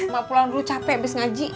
mbak pulang dulu capek abis ngaji